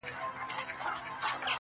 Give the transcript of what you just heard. نړيږي جوړ يې کړئ دېوال په اسويلو نه سي.